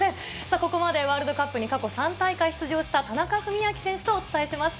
ここまでワールドカップに過去３大会出場した、田中史朗選手とお伝えしました。